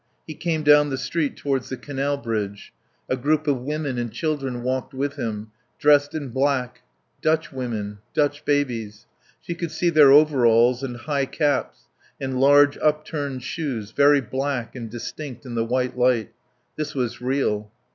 He came down the street towards the canal bridge. A group of women and children walked with him, dressed in black. Dutch women. Dutch babies. She could see their overalls and high caps and large, upturned shoes very black and distinct in the white light. This was real.